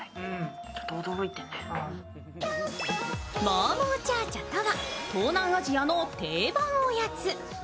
もーもーちゃーちゃーとは東南アジアの定番おやつ。